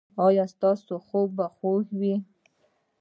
ایا ستاسو خوب به خوږ وي؟